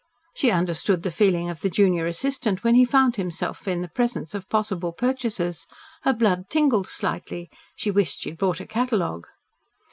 She understood the feeling of the junior assistant, when he found himself in the presence of possible purchasers. Her blood tingled slightly. She wished she had brought a catalogue.